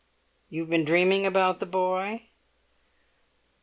"You've been dreaming about the boy?"